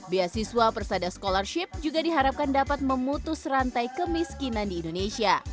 beasiswa persada scholarship juga diharapkan dapat memutus rantai kemiskinan di indonesia